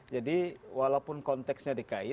jadi walaupun konteksnya dikait